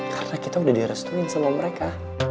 karena kita udah direstuin sama mereka